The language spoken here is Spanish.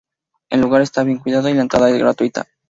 El lugar está bien cuidado y la entrada es gratuita.